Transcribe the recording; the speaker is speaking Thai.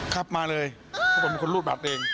ครับมาเลยเขาบอกเป็นคนรูปบัตรเอง